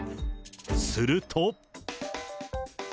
すると。